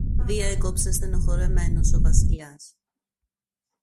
διέκοψε στενοχωρεμένος ο Βασιλιάς.